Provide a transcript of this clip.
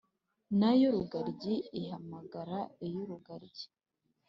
na yo rugaryi ihamagara iy’urugaryi,